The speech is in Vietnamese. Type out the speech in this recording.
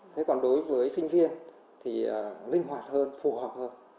thế còn đối với sinh viên thì linh hoạt hơn phù hợp hơn